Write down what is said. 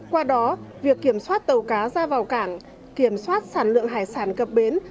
qua đó việc kiểm soát tàu cá ra vào cảng kiểm soát sản lượng hải sản cập bến